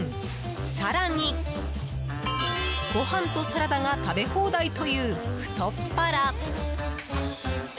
更に、ご飯とサラダが食べ放題という太っ腹。